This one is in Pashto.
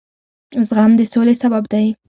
زغم د سولې سبب دی.